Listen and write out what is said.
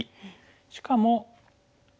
しかも。